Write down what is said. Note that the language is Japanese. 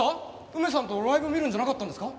梅さんとライブ見るんじゃなかったんですか？